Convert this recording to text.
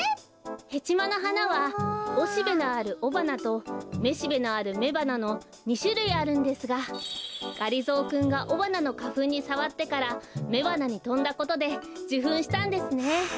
ヘチマのはなはおしべのあるおばなとめしべのあるめばなの２しゅるいあるんですががりぞーくんがおばなのかふんにさわってからめばなにとんだことでじゅふんしたんですね！